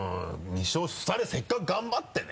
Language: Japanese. ２勝２人がせっかく頑張ってね